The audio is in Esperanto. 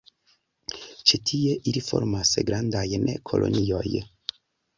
Ĉi tie ili formas grandajn kolonioj.